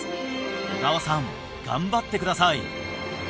小川さん頑張ってください！